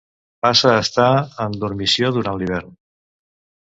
Passa a estar en dormició durant l'hivern.